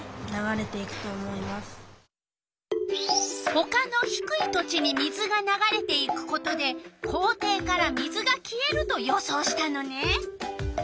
ほかのひくい土地に水がながれていくことで校庭から水が消えると予想したのね。